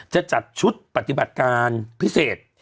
จะจัดชุดปฏิบัติการพิเศษ